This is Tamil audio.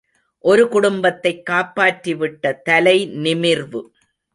ஒரு குடும்பத்தைக் காப்பாற்றிவிட்ட தலை நிமிர்வு.